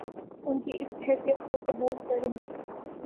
ان کی اس حیثیت کو قبول کریں گے